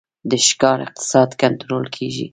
د ښکار اقتصاد کنټرول کیږي